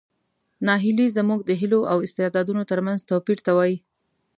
ناهیلي زموږ د هیلو او استعدادونو ترمنځ توپیر ته وایي.